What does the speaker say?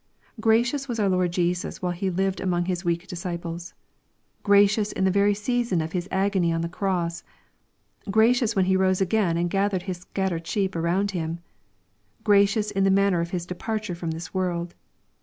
Grucious was our Lord Jesus While He lived among His weak disciples, — gracious in the very season of His agony on the cross, — gracious when He rose again and gathered His scattered sheep around Him, — gracious in the man ner of His departure from this world.